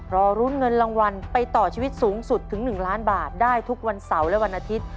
รอรุ้นเงินรางวัลไปต่อชีวิตสูงสุดถึง๑ล้านบาทได้ทุกวันเสาร์และวันอาทิตย์